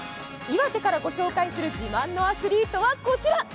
岩手からご紹介する自慢のアスリートは、こちら。